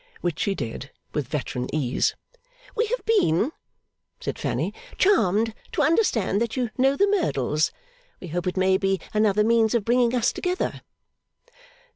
Which she did with veteran ease. 'We have been,' said Fanny, 'charmed to understand that you know the Merdles. We hope it may be another means of bringing us together.